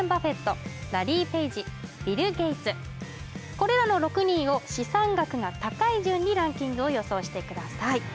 これらの６人を資産額が高い順にランキングを予想してください